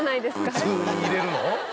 普通に入れるの？